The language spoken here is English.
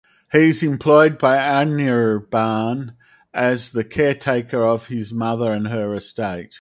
He is employed by Anirban as the caretaker of his mother and her estate.